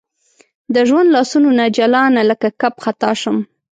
د ژوند لاسونو نه جلانه لکه کب خطا شم